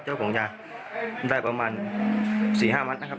เจ้าของยาได้ประมาณ๔๕มัดนะครับ